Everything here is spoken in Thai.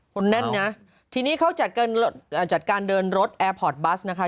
คนแน่นนะทีนี้เขาจัดการเดินรถแอร์พอร์ตบัสนะคะ